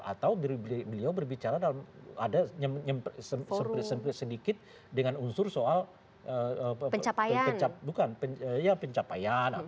atau beliau berbicara dalam ada service sedikit dengan unsur soal pencapaian